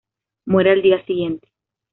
Muere al día siguiente.